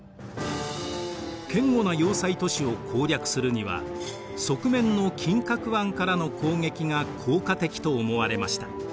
堅固な要塞都市を攻略するには側面の金角湾からの攻撃が効果的と思われました。